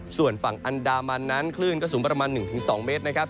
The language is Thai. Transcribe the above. ส่วนฝั่งอันดามันนั้นคลื่นก็สูงประมาณ๑๒เมตรนะครับ